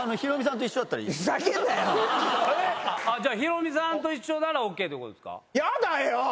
じゃあヒロミさんとならＯＫってことですか。